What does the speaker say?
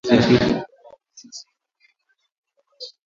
Kikohozi hafifu kupumua upesiupesi na kwa juujuu na kutokwa na mate